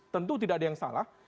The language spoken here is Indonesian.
tentu tidak ada yang salah